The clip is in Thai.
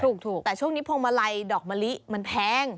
ถูกแต่ช่วงนี้พวงมาลัยดอกมะลิมันแพง